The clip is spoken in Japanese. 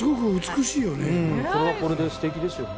これはこれで素敵ですよね。